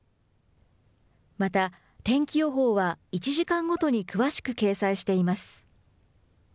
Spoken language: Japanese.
また、天気予報は１時間ごとに詳しく掲載しています。